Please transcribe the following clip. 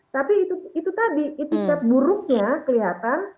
tapi itu tadi itu set buruknya kelihatan